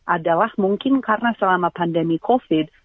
adalah mungkin karena selama pandemi covid